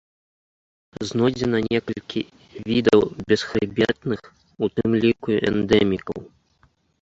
Знойдзена некалькі відаў бесхрыбетных, у тым ліку эндэмікаў.